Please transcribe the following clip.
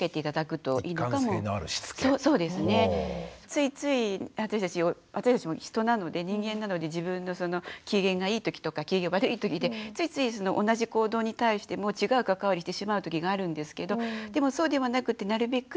ついつい私たちも人なので人間なので自分の機嫌がいいときとか機嫌悪いときでついつい同じ行動に対しても違う関わりをしてしまうときがあるんですけどでもそうではなくてなるべく